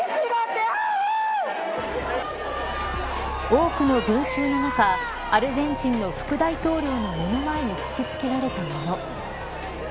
多くの群衆の中アルゼンチンの副大統領の目の前に突きつけられた物。